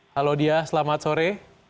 halo diah selamat sore